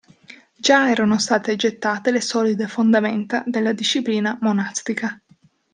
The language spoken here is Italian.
Già erano state gettate le solide fondamenta della disciplina monastica.